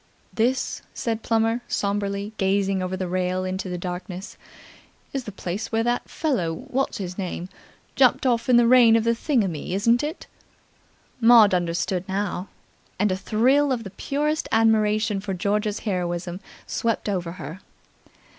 "This," said Plummer sombrely, gazing over the rail into the darkness, "is the place where that fellow what's his name jumped off in the reign of thingummy, isn't it?" Maud understood now, and a thrill of the purest admiration for George's heroism swept over her.